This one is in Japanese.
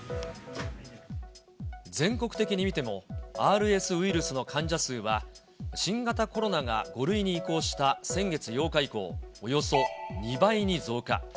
全国的に見てもＲＳウイルスの患者数は新型コロナが５類に移行した先月８日以降、およそ２倍に増加。